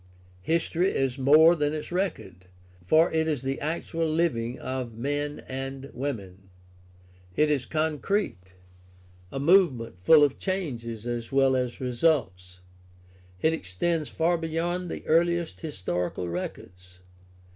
History is more than its record, for it is the actual living of men and women. It is concrete, a movement full of changes as well as results. It extends far beyond the earliest historical records.